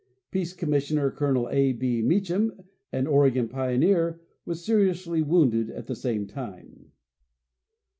Peace commissioner Colonel A. B. Meacham, an Oregon pioneer, was seriously wounded at the same time.